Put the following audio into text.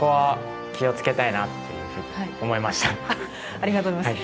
ありがとうございます。